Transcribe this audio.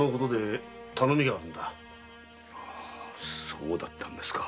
そうだったんですか。